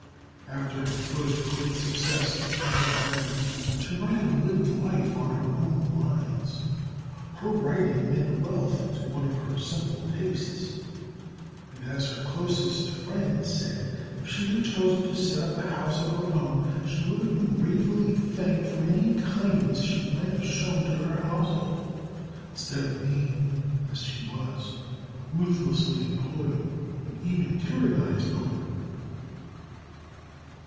After her first great success with Jane Eyre, she might have lived life on her own lines; her writing meant wealth to one of her simple tastes; and as her closest friend said, if she had chosen to set up a house of her own, she would have been gratefully thanked for any kindness she might have shown to her household, instead of being, as she was, ruthlessly employed and even tyrannised over.